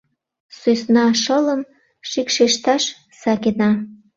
— Сӧсна шылым шикшешташ сакена.